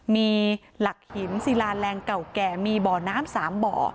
มีหลักหินศิลาแรงเก่าแก่มีบ่อน้ำ๓บ่อ